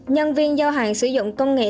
nhân viên giao hàng sử dụng công nghệ